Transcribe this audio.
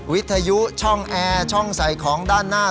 วิทยุช่องแอร์ช่องใส่ของด้านหน้า